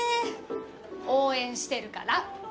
応援してるから！